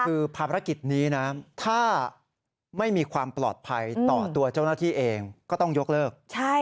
คือภารกิจนี้นะถ้าไม่มีความปลอดภัยต่อตัวเจ้าหน้าที่เองก็ต้องยกเลิก